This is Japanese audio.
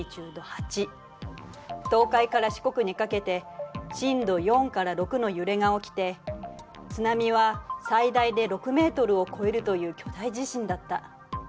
東海から四国にかけて震度４から６の揺れが起きて津波は最大で６ｍを超えるという巨大地震だった。